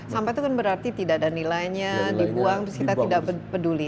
sampah itu kan berarti tidak ada nilainya dibuang terus kita tidak peduli